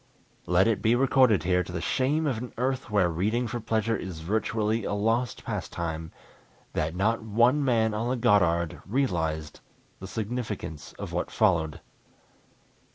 Let it be recorded here, to the shame of an Earth where reading for pleasure is virtually a lost pastime, that not one man on the Goddard realized the significance of what followed.